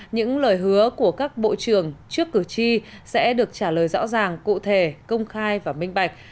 những lời hứa của các bộ trưởng trước cử tri sẽ được trả lời rõ ràng cụ thể công khai và minh bạch